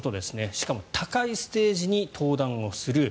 しかも高いステージに登壇する。